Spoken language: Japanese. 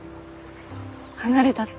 離れたって。